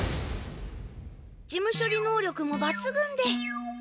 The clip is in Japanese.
事務処理能力も抜群でやった！